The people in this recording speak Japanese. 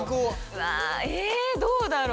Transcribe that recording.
うわえどうだろう？